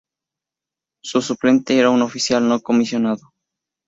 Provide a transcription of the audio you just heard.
Su suplente era un oficial no comisionado.